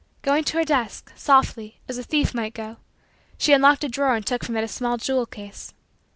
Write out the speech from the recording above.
Going to her desk, softly, as a thief might go, she unlocked a drawer and took from it a small jewel case.